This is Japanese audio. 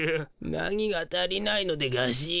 何が足りないのでガシ。